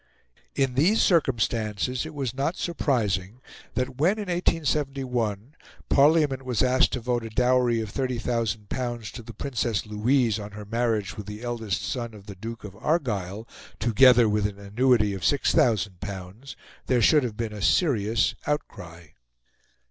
In these circumstances it was not surprising that when, in 1871, Parliament was asked to vote a dowry of L30,000 to the Princess Louise on her marriage with the eldest son of the Duke of Argyle, together with an annuity of L6,000, there should have been a serious outcry(*).